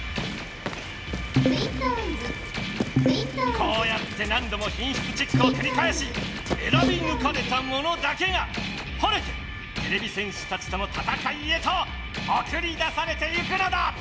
こうやって何どもひんしつチェックをくりかえしえらびぬかれたものだけが晴れててれび戦士たちとのたたかいへとおくりだされてゆくのだ！